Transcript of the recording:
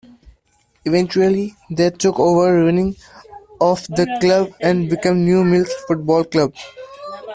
Eventually, they took over running of the club and became New Mills Football Club.